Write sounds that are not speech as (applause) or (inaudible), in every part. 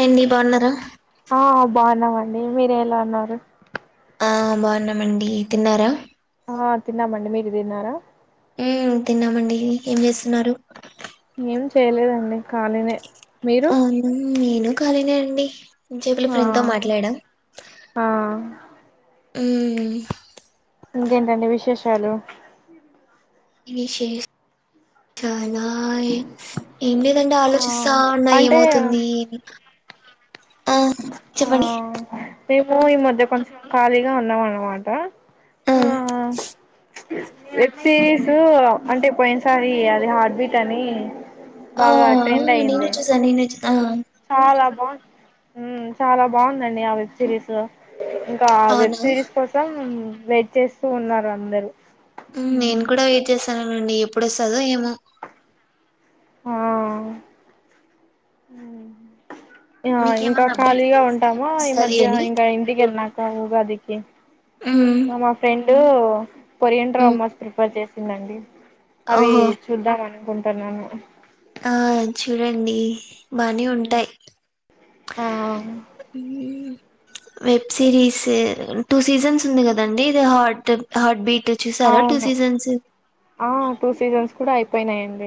ఏండి బాన్నారా ఆ బాగున్నామండి మీరు ఎలా ఉన్నారు ఆ బాగున్నామండి తిన్నారా ఆ తిన్నామండి మీరు తిన్నారా మ్ తిన్నామండి ఏం చేస్తున్నారు ఏం చేయలేదండి ఖాళీనే మీరు ఆ నమ్ను కనీద అండి ఇ చెపల ఆ ఫ్రెండ్ తో మాట్లాడా ఆ అ ఇంకేంటండి విశేషాలు విశేష అలా ఏం లేదంటే ఆ ఆలోచిస్తా ఉన్నా అంటే ఏమవుతుంది ఆ ఆ చెప్పడి మేము ఈ మధ్య కొంచెం ఖాళీగా ఉన్నాం అన్నమాట ఆ ప్ సిరీస్ అంటే పోయినసారి అది హార్ట్ బీట్ అని ఆ బాగా ట్రెండ్ నను అయింది వ చుసా నను వజ చాలా బాగు చాలా బాగుందండి ఆ వెబ్ సిరీస్ లో ఇంకా వెబ్ అవునా సిరీస్ కోసం వెయిట్ చేస్తూ ఉన్నారు అందరుూ నేను కూడా వెయిట్ చేస్తాను అవునండి ఎప్పుడే చదువు ఏమో హ (inaudible) ఆ ఇంకా మీకేమన్నా అప్డేట్ ఖాళీగా తెలుసా ఉంటాము ఎప్పుడు ఈ వస్తుంది మధ్య అని ఇంకా ఇంటికి వెళ్ళినక కాగాదికి ఉమ్, మామ ఫ్రెం కొరియన్ ఉమ్, డ్రామోస్ ప్రిపేర్ చేస్త ఇందండి అవి ఓహో చూద్దాం అనుకుంటు స ఆ చూడండి బని ఉంటాయి (inaudible) ఆ వెబ్ సిరీస్ టూ సీజన్స్ ఉంది కదండి ఇది హార్ట్ హార్ట్ బీట్ చూసారా టూ అవును సీజన్స్ ఆ టూ సీజన్స్ కూడా ఆయితే పోయినాడి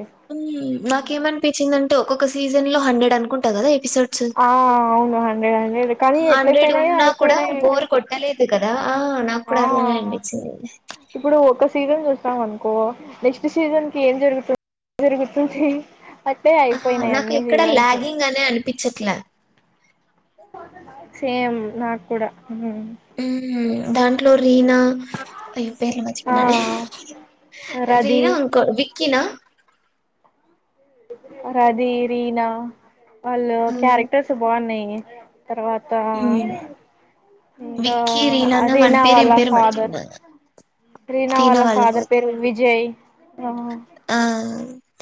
నాకేమనిపించిందండి ఒ ఒక్క సీజన్ లో హండ్రెడ్ అనుకుంటా కదా ఎపిసోడ్స్ ఆ అవును హండ్రెడ్ హండ్రెడ్ కానీ ఎట్ల హండ్రెడ్ అయిపోయినాయో ఉన్నా కూడా అయిపోయినాయి బోర్ కొట్టలేదు కదా ఆ నాకు కూడా అలానే అనిపించింది ఇప్పుడు ఒక సీజన్ చూ స్తాం అనుకో నెక్స్ట్ సీజన్ కి ఏం జరుగుతుంది జరుగుతుంది అట్లే ఆ అయిపోయినాయి నాకు అన్ని ఎక్కడ సీజన్స్ లాగింగ్ అనే అనిపించట్లా సేమ్ నాక్ కూడా హ్మ్ దాంట్లో రీనా అయ్యో పేర్లు ఆ మచ్చిపోనానే రది రీనా అంకల్ బి కినా రది రీనా వాళ్ళు మ్మ్. క్యారెక్టర్స్ బాగున్నయ్ ఎ తర్వాత ఇంకా విక్కీ రీనానా వాని రీనా పేరు ఏం వాళ్ళ పేరు ఫాదర్ మర్చిపోయినా రీనా తిన వాళ్ళ వాళ్ళు ఫాదర్ పోతారు పేరు విజయ్ ఆ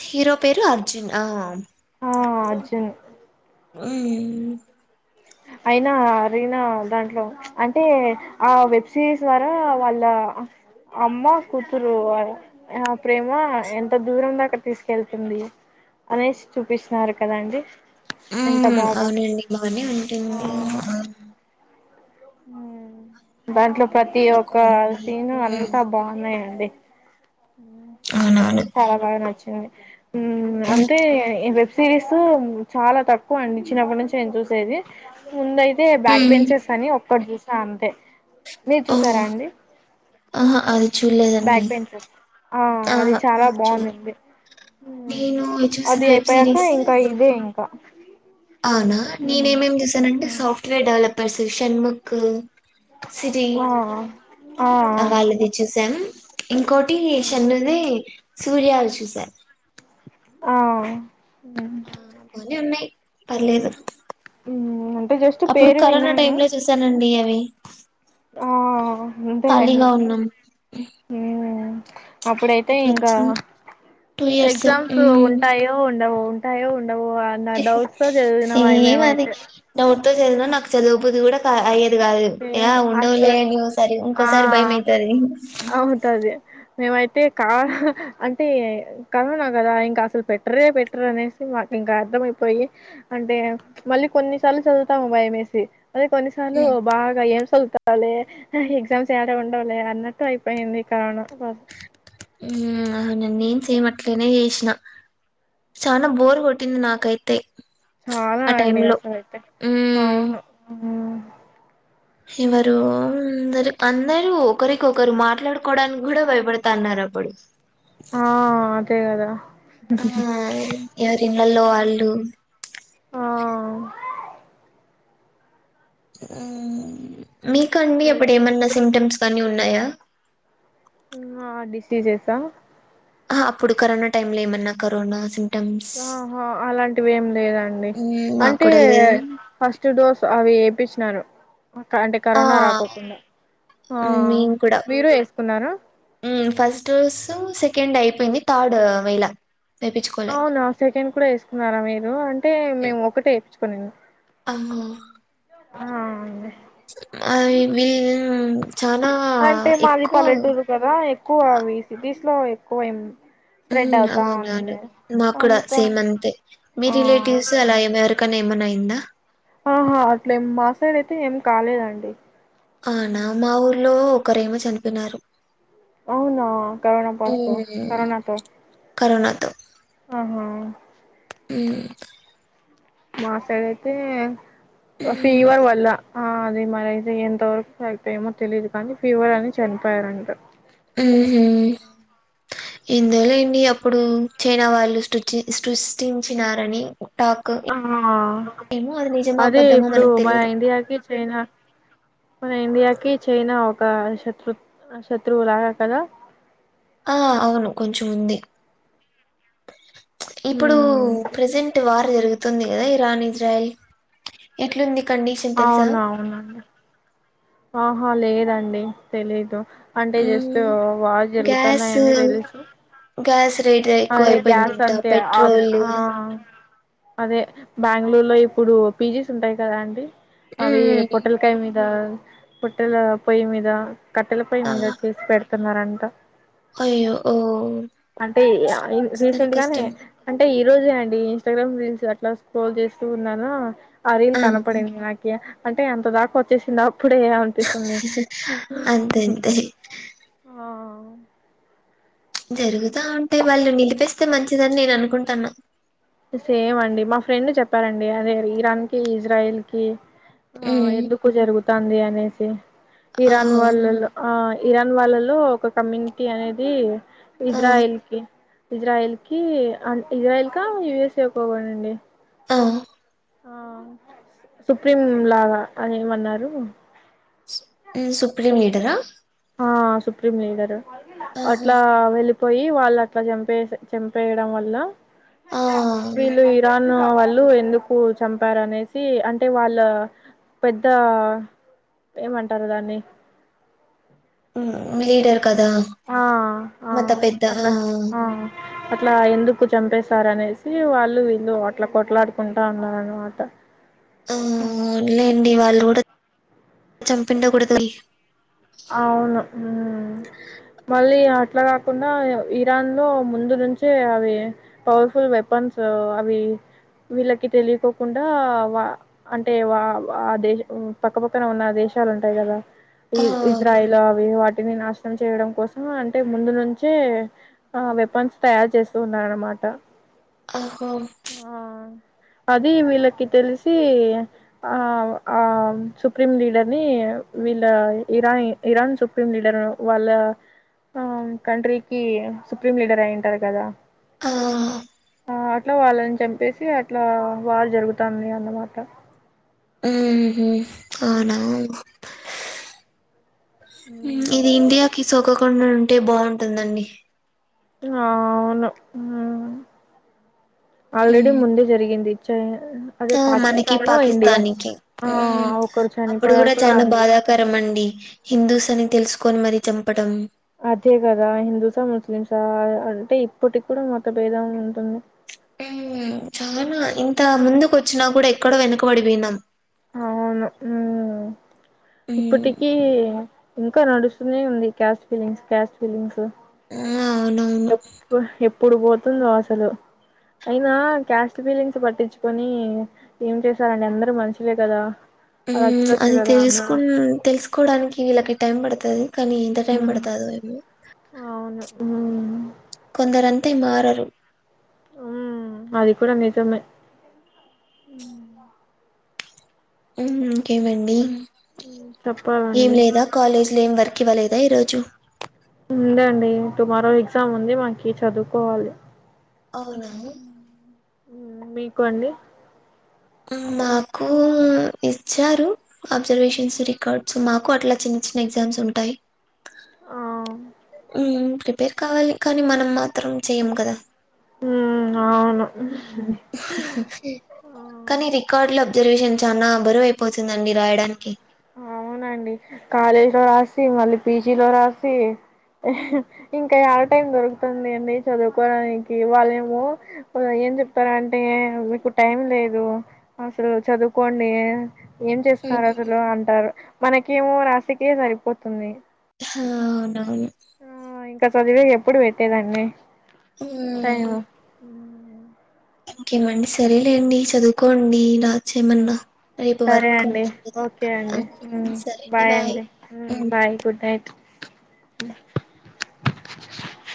హీరో పేరు అర్జున్ ఆ ఆ అర్జున్ హ్మ్ అయినా రీనా దాంట్లో అంటే ఆ వెబ్ సిరీస్ ద్వారా వాళ్ళ అమ్మ కూతురు ఆ ప్రేమ ఎంత దూరం దాకా తీసుకెళ్తుంది అనే చూపిస్ న్నారు కదండి ఆ బాగా అవునండి బానే ఆ ఉంటుంది దాంట్లో ప్రతి ఇందులో ఒక్క కామెడీ సీను మ్మ్ అంతా బావున్నాయండి ను అవునవును చెప్పు చాలా బాగా నచ్చింది హ్మ్ అంతే సిరీస్ చాలా తక్కువ అండి చిన్నప్పటి నుంచి నేను చూసేది ముందయిత్ అయితే బ్యాక్ మ్మ్ బెంచెస్ అని ఒక్కట్ జూస్ అంతే మీరు ఓహో చూసారా అండి ఆహ అది చూడలేదండి బ్యాక్ బెంచెస్ ఆ అది ఆహా చాలా ఆహా చూడలేదు బావుందింది నేను చూసిన అది హ్మ్ వెబ్ అయిపోయాక సిరీస్ ఇంకా ఇదే ఇ పా ఔనా నేనేమేంమ్ చేశానంటే సాఫ్ట్వేర్ డెవలప్ పశూషన్ ముక్కు సిరి ఆ ఆ వాల్లది చుసాం ఇంకోటి షన్నుది సూర్యవశు సార్ ఆ ఆ బానే ఉన్నయ్ పర్లేదు ఉమ్ అంటే జస్ట్ అప్పుడు పేరు కరోనా విన్నాను టైమ్ లో చూసానండి వే ఆ అంతేలే ఉన్నాం ఉమ్ అప్పుడైతే ఇంకా ఎట్లొచ్చింది టూ ఇయర్స్ ఎగ్జామ్స్ మ్మ్ ఉంటాయో ఉండవు ఉంటాయో ఉండవుో అన్న డౌట్స్ తో చదివినమ్ సేమ్ అది మేమైతే అ (unintelligible) ఇద్ కాదు ఏ ఏం అసలు ఉండవులేనిసారి ఆ ఇంకోసారి భయం అయితది అంటే కా హా అంటే కరోనా కదా ఇంకా అసలు పెట్టరే పెట్టరు అనేసి మాకు ఇంకా అర్థమయిపోయి అంటే మళ్ళీ కొన్నిసార్లు చదువుతాము భయమేసి అదిే కొన్నిసార్ల్ మ్మ్ ఎమ్ సదువుతాలే అహ్ ఎగ్జామ్స్ ఏడా ఉండవ్ లే అన్నట్టు అయిపోయింది కరోనా కోస్ ఉమ్ అవున నేను సేమ్ అట్లానే చేసినా చనాా బోర్ కొటింది నాకైతే చాలా ఆ టైమ్ అండి లో అసలయితే మ్మ్ అవును హ్మ్. ఎవరు అందరు అందరూ ఒకరికి ఒకరు మాట్లాడుకోవడానికి కూడా భయపడతాన్నారు అప్పుడు ఆ అదే కదా ఆ ఎవరిఇండ్లలో వాళ్ళు ఆ ఉమ్ మీక్ అండ్ (unintelligible) ఇప్పుడు ఎప్పుడేమన్న సిటమ్స్ కానీ ఉ న్నాయా ఉమ్ హా డిసీజెసా అ అప్పుడు కరోనా టైమ్ లో ఏమన్నా కరోనా సిమ్ ఆహా అలాంటివి ఏం లేదండి మ్మ్, మాకు అంటే కూడా లేదు ఫస్ట్ డోస్ అవి యేశినారు క అంటే ఆ కరోనా రాకోకుండా ఆ మేము కూడా మీరు వేసుకున్నారు మ్మ్, ఫస్ట్ డోస్ సెకండ్ అయిపోయింది థర్డ్ వేళే అవునా సెకండ్ కూడా వేసుకున్నారా మీరు అంటే మేము ఒకటే ఏ పని ఆహా అండి మర్ వీళ్ చానా అంటే మాది ఎక్కువ పల్లెటూరు కదా ఎక్కువ అవి సిటీస్ లో ఎక్కువై స్ప్రెడ్ అవుతా ఉంది నాకు కూడా అందుకని సేమ్ అంతే మీ ఆ రిలేటివ్స్ అలా ఏమారు కని ఏమన్నా అయిందా ఇక్కడ అయితే ఏం కాలేదండి అనా మావులు ఒకరేమో చనిపినారు అవునా కోనా పస్తతో కోనాతో కరోనాతో ఆహా అ మాసడ అయితే మ్మ్ ఫీవర్ వల్ల ఆ అది మరియితే ఎంతవరకు హల్పోయమో తెలీదు కానీ ఫీవర్ అని చనిపోయారుంట ఉ ఇందువల ఏడి అప్పుడు చైనా వాళ్ళు సృ సృష్టించినారని టాక్ ఆ ఏమో అది నిజమో అదే అబద్ధమో ఇప్పుడు మనకు మన తెలీదు ఇండియాకి చైనా మన ఇండియాకి క చైనా ఒక శత్రు శత్రువు లాగా కదా ఆ అవును కొంచెం ఉంది ఇప్పుడు ఉమ్ ప్రెసెంట్ వార జరుగుతుంది కదా ఇరాన్ ఇజయల్ ఎట్ంది అవున అవునును ఆహా లేదు దండి తెలీదు అంటే మ్మ్ జస్ట్ బాగా జరుగుతున్నాయని తెలుసు కాస్ రేట్ ఎక్కువ అదే గ్యాస్ అయిపోయిందంట అంతే ఆ పెట్రోల్ ఆ అదే బెంగళూరు లో ఇప్పుడు పీజీస్ ఉంటాయి కదా అండి అవి మ్మ్ పొట్టలకాయ మీద పట్టల పొయి్యి మీదా కట్టెలపై మీద చేసి పెడ చెప్తున్నారంట అ ఓ అంటే చాలా రీసెంట్ గానే కష్టం అంటే ఈ రోజే అండి ఇంస్టాగ్రామ్ రీల్స్ అట్లా స్క్రోల్ చేస్తూ ఉన్నాను అరిల్ ఆ కనపడేంది నాక అంటే ఎంత దాకా వచ్చేసిందా ఇప్పుడే అనిపిస్తుంది అంతే అంతే ఆ అ జరుగుతా ఉంటాయి వాళ్ళు నిలి చనిపిస్తే మంచిదని నేను అనుకుంటాను సేమ్ అండి మా ఫ్రెండ్ చెప్పారంండి అదే ఇరాన్ కి ఇజ్రాయిల్ కి ఆ ఉమ్ ఎందుకు జరుగు తాంది అనేసి ఇరాన్ ఓహో వాళ్ళలో ఆ ఇరాన్ వాళ్ళలో ఒక కమ్యూనిటీ అనేది ఆ ఇజ్రాయల్ కి ఇజ్రాయల్ కి అ ఇజ్రాయల్ క యు ఎస్ ఎ కో పడింది ఆ ఆ సుప్రీం లాగా అని ఏమన్నారు ఉ సుప్రీం లీడరా ఆ సుప్రీం లీగర్ ఆహా అట్లా వెళ్ళి పోయి వాళ్ళు అట్లా చంపేస్ చంపేయడం వల్ల ఆ వీళ్ళు ఇరాన్ వ వాళ్ళు ఎందుకు చంపారనేసి అంటే వాళ్ళ పెద్ద ఏమంటారు దాన్ని లీడర్ కదా ఆ ఆ మత పెద్ద ఆ అట్లా ఆ అట్లా ఎందుకు చంపేశారు అనేసి వాళ్ళు వీళ్ళు అట్లా కొట్లాడుకుంటా ఉన్నారు అనమాట ఆ లేండి వాళ్ళు కూడా చంపిండ కూడుదు అవును ఉ మళ్ళీ అట్లా కాకుండా ఇరాన్ లో ముందు నుంచే అవి పవర్ఫుల్ వెపన్స్ అవి వీళ్ళకి తెలియకోకుండా వా అంటే వా ఆ దేశ పక్కపక్కన ఉన్న దేశాలు ఉంటాయి కదా ఈ ఆ ఇజ్రాయిల్ అవునండి అవి వాటిని నాష్ట చేయడం కోసం అంటే ముందు నుంచే ఆ వెపన్స్ తయారు చేస్తూ ఉన్నరు అనమాట ఆహో అది వీళ్ళకి తెలిసి ఆ ఆ సుప్రీం లీడర్ ని వీళ్ళ ఇరాన్ ఇరాన్ సుప్రీం లీడర్ వాళ్ళ కంట్రీకి సుప్రీం లీడర్ అయింటారు కదా ఆ ఆ అట్లా వాళ్ళని చంపేసి అట్లా వార్ జరుగుతంది అన్నమాట ఆహో అవునా ఇది ఇండియాకిి సోకో ఉండి ఉంటే బాగుంటుందండి అ అవును హు ఆల్రెడీ ఉమ్ ముందే జరిగింది చే ఆ మనకి పాకిస్తాన్నికి ఆ ఒకరు అప్పుడు చనిపోయారు కూడా చానా అండి బాధా తెలుసుకొని మరి చంపడం అదే కదా హిందూసా ముస్లిమ్సా అంటే ఇప్పటికి కూడా మత భేదం ఉంటుంది చానా ఇంత ముందుకు వచ్చినా కూడా ఎక్కడో వెనకబడిపోయినాం అవును మ్మ్ ఇప్పటికీ ఇంకా నడుస్తూనే ఉంది క్యాస్ట్ ఫీలింగ్స్ క్యాస్ట్ ఫీలింగ్స్ ఆ అవునవును ఎప్పుడు ఎప్పు ఏప్పుడు పోతుందో అసలు అయినా క్యాస్ట్ ఫీలింగ్స్ పట్టించుకొని ఏం చేశారుండి అందరు మనుషులే కదా అలా చూడొచ్చు అది కదా తెలుసుకు అందరూ తెలుసుకోవడానికి వీళ్ళకి టైం పడతది కానీ ఎంత టైం పడతదో ఏమో ఆ కొందరంతే మారరు ఉ అది కూడా నిజమే కేవండి ఏం చెప్పాలండి లేదా కాలేజ్ లో ఏం వర్క్ ఇవ్వలేదు దాయి రాచ్చు ఉందండి టుమారో ఎగ్జామ్ ఉంది మనకి చదువుకోవాలి అవునా మీకు అండి మాకు ఇచ్చారు అబ్జర్వేషన్స్ రికార్డ్స్ మాకు అట్లా చిన్న చిన్న ఎగ్జామ్స్ ఉంటాయి ఆ అ ప్రిపేర్ కావాలి కానీ మనం మాత్రం చెయ్యము కదా ఉ అవును కనీ ఆ రికార్డ్ల అబ్ రిజర్వేషన్ చాలా బరువు అయిపోతుందండి రాయడానికి అవునండి కాలేజ్ లో రాసి మళ్ళీ పీజీలో రాసి ఇంకా ఏడ టైం దొరుకుతుంది అండి చదువుకోవడానికి వాళ్ళేమో ఏం చెప్పారంటే మీకు టైం లేదు అసలు చదువుకోండి ఏం చేస్తున్నారు ఆ, అసలు అంత మనకేమో రాసిక సరిపోతుంది ఆ అవునవును ఆ ఇంకా చదివే ఎప్పుడు పెట్టేదాన్ని ఆ ఇంకేమండి సరేలేండి చదువుకోండి నా సరే అండి ఓకే కదా అండి మ్మ్, సరే బాయ్ అండి మ్మ్. Bye good night (unintelligible)